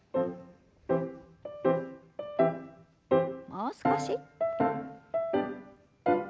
もう少し。